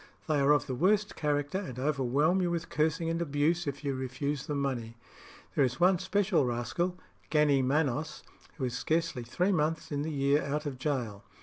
They are of the worst character, and overwhelm you with cursing and abuse if you refuse them money. There is one special rascal, Gannee Manos, who is scarcely three months in the year out of gaol.